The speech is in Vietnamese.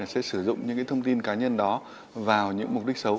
sẽ sử dụng những thông tin cá nhân đó vào những mục đích xấu